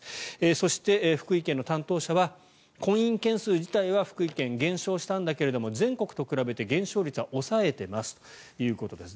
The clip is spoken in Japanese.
そして、福井県の担当者は婚姻件数自体は福井県は減少したんだけれど全国と比べて、減少率は抑えていますということです。